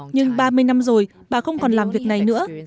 nhưng ba mươi năm rồi bà không còn làm việc này nữa